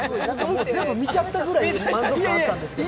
全部見ちゃったぐらい満足感あったけど。